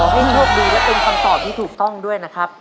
ขอให้พวกดูได้เป็นคำตอบที่ถูกต้องด้วยนะครับ